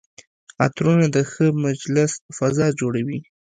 عطرونه د ښه مجلس فضا جوړوي.